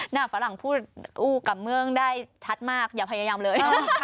ฝรั่งพูดอู้กับเมืองได้ชัดมากอย่าพยายามเลย